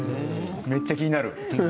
めっちゃ気になる。